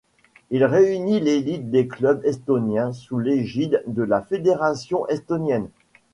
Il réunit l'élite des clubs estoniens sous l'égide de la Fédération estonienne.